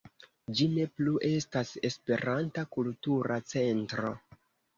Ĝi ne plu estas "Esperanta Kultura Centro".